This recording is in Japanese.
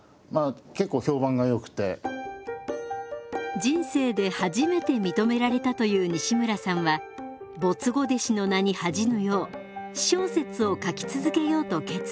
人生で初めて認められたという西村さんは没後弟子の名に恥じぬよう私小説を書き続けようと決意。